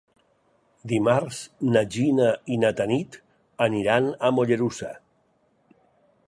Dimarts na Gina i na Tanit aniran a Mollerussa.